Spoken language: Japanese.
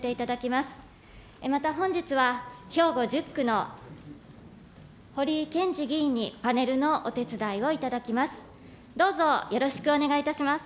また本日は、兵庫１０区の掘井健智議員にパネルのお手伝いをいただきます。